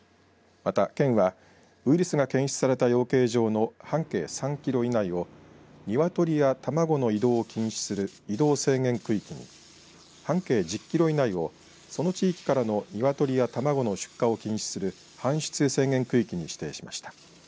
また、県はウイルスが検出された養鶏場の半径３キロ以内をニワトリや卵の移動を禁止する移動制限区域に半径１０キロ以内をその地域からのニワトリや卵の出荷を禁止する搬出制限区域に指定しました。